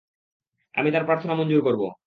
আমি তার প্রার্থনা মঞ্জুর করব।